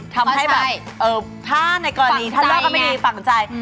ทำให้แบบถ้าในกรณีถ้าเลิกก็ไม่ดีฝังใจ